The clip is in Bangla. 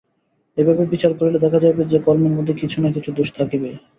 এইভাবে বিচার করিলে দেখা যাইবে যে, কর্মের মধ্যে কিছু না কিছু দোষ থাকিবেই।